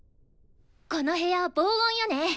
この部屋防音よね？